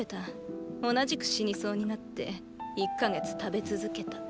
同じく死にそうになって一か月食べ続けた。